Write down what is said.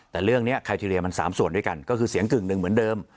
แต่เรื่องนี้ไคทีเรียมัน๓ส่วนด้วยกันก็คือเสียงกึ่งหนึ่งเหมือนเดิม